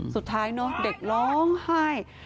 สุดท้ายเนอะเด็กร้องไห้